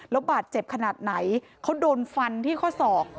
แล้วบาดเจ็บขนาดไหนเขาโดนฟันที่ข้อศอก